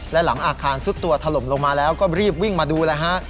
และหลังอาคารซุดตัวถล่มลงมาแล้วก็รีบวิ่งมาดูเลยฮะ